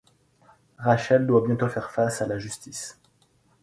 Rachel doit bientôt faire face à la justice...